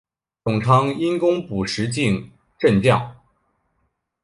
董昌因功补石镜镇将。